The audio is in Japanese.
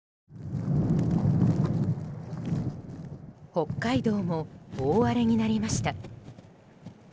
北海道も大荒れになりました。